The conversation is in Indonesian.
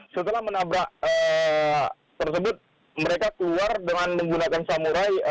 setelah menabrak tersebut mereka keluar dengan menggunakan samurai